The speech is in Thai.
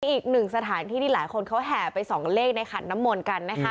อีก๑สถานที่ที่หลายคนแห่ไปส่องเลขในขันน้ำมนกัน